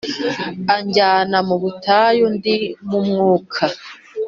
Anjyana mu butayu ndi mu Mwuka,